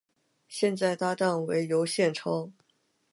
现在搭档为尤宪超。